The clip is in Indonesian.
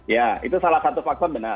ya itu salah satu faktor